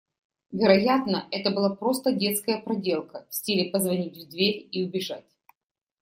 Вероятно, это была просто детская проделка, в стиле позвонить в дверь и убежать.